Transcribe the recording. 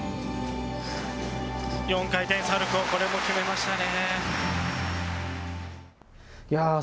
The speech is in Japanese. ４回転サルコー、これも決めましたね。